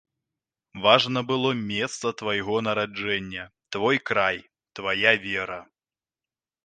Важна было месца твайго нараджэння, твой край, твая вера.